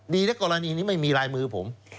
ดีนะกรณีนี้ไม่มีลายมือผม